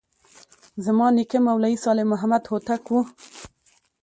زما نیکه مولوي صالح محمد هوتک و.